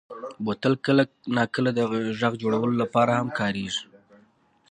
بوتل کله ناکله د غږ جوړولو لپاره هم کارېږي.